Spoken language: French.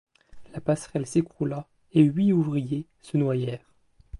La passerelle s'écroula et huit ouvriers se noyèrent.